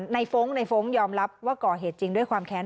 ฟ้องในฟ้องยอมรับว่าก่อเหตุจริงด้วยความแค้น